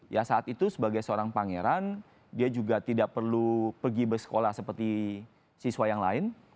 ya saat itu sebagai seorang pangeran dia juga tidak perlu pergi bersekolah seperti siswa yang lain